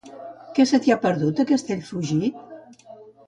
Què se t'hi ha perdut, a Castellfugit?